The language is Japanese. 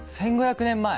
１，５００年前！？